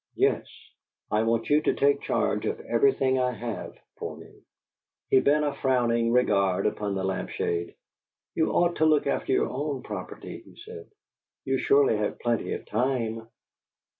"Yes. I want you to take charge of everything I have for me." He bent a frowning regard upon the lamp shade. "You ought to look after your own property," he said. "You surely have plenty of time."